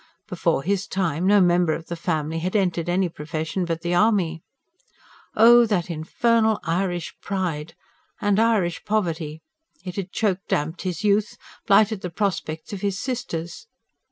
Before his time no member of the family had entered any profession but the army. Oh, that infernal Irish pride! ... and Irish poverty. It had choke damped his youth, blighted the prospects of his sisters.